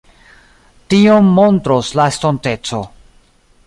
Tion montros la estonteco.